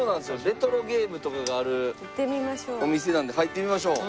レトロゲームとかがあるお店なんで入ってみましょう。